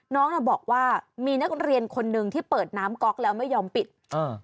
น้องน่ะบอกว่ามีนักเรียนคนหนึ่งที่เปิดน้ำก๊อกแล้วไม่ยอมปิดอ่า